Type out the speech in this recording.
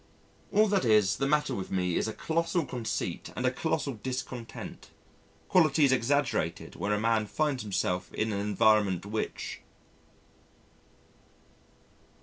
All that is the matter with me is a colossal conceit and a colossal discontent, qualities exaggerated where a man finds himself in an environment which